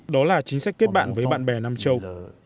đó là chính sách kết bạn với bạn bè nam châu